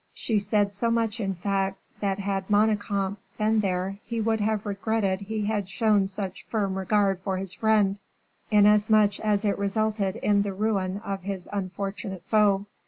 She said so much, in fact, that had Manicamp been there, he would have regretted he had shown such firm regard for his friend, inasmuch as it resulted in the ruin of his unfortunate foe.